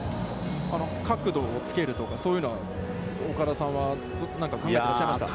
角度をつけるとか、そういうのは岡田さんは何か考えていましたか？